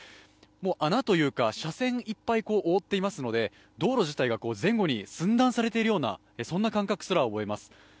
穴というか車線いっぱい覆っていますので道路自体が前後に寸断されているような感覚すら覚えます。